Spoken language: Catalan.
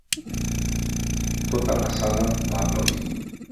Tota la sala va aplaudir.